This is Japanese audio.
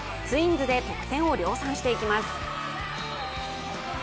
ツインズで得点を量産していきます。